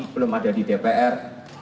belum ada di dpr